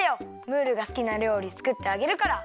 ムールがすきなりょうりつくってあげるから。